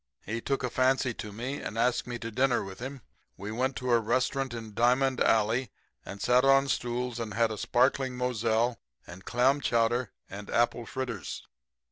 He took a fancy to me and asked me to dinner with him. We went to a restaurant in Diamond alley and sat on stools and had a sparkling Moselle and clam chowder and apple fritters.